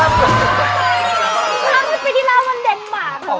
๕๐ปีที่แล้ววันเดนเมริกา